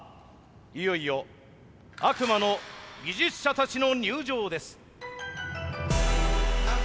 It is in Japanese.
いよいよ悪魔の技術者たちの入場です！